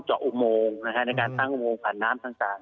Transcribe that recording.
อุโมงในการตั้งอุโมงผ่านน้ำต่าง